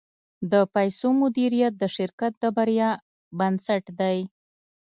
د پیسو مدیریت د شرکت د بریا بنسټ دی.